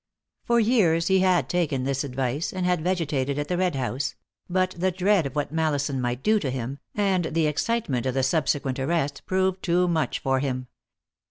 For years he had taken this advice, and had vegetated at the Red House; but the dread of what Mallison might do to him, and the excitement of the subsequent arrest, proved too much for him.